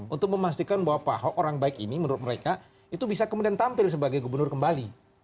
untuk memastikan bahwa pak ahok orang baik ini menurut mereka itu bisa kemudian tampil sebagai gubernur kembali